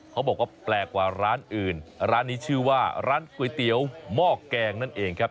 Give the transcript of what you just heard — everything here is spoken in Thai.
เขาบอกว่าแปลกกว่าร้านอื่นร้านนี้ชื่อว่าร้านก๋วยเตี๋ยวหม้อแกงนั่นเองครับ